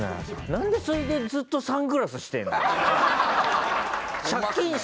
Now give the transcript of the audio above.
なんでそれでずっとサングラスしてるの？